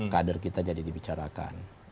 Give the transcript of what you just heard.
kader kita jadi dibicarakan